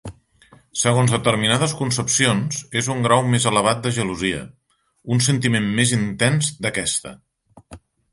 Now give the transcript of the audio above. Segons determinades concepcions, és un grau més elevat de gelosia, un sentiment més intens d'aquesta.